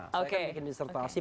saya kan bikin disertasi